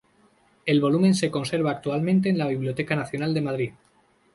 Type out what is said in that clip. El volumen se conserva actualmente en la Biblioteca Nacional de Madrid.